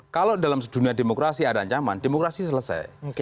kalau dalam dunia demokrasi ada ancaman demokrasi selesai